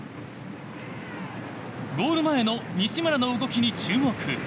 ゴール前の西村の動きに注目。